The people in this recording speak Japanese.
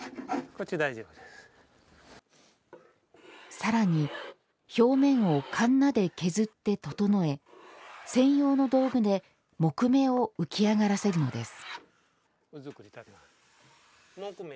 さらに表面をかんなで削って整え専用の道具で木目を浮き上がらせるのです。